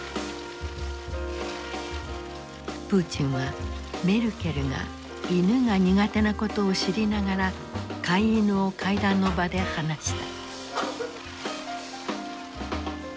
プーチンはメルケルが犬が苦手なことを知りながら飼い犬を会談の場で放した。